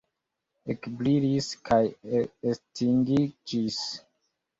Ekbrilis kaj estingiĝis.